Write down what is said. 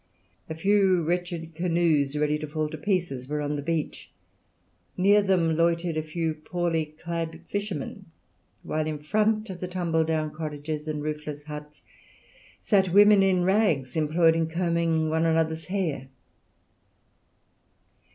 A few wretched canoes, ready to fall to pieces, were on the beach; near them loitered a few poorly clad fishermen; while in front of the tumble down cottages and roofless huts sat women in rags employed in combing one another's hair.